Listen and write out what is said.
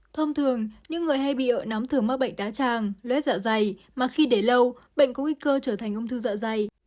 thông thường những người hay bị ợ nóng thường mắc bệnh đá tràng lết dạ dày mà khi để lâu bệnh có nguy cơ trở thành ung thư dạ dày